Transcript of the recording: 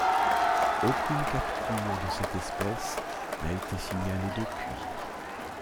Aucune capture de cette espèce n'a été signalée depuis.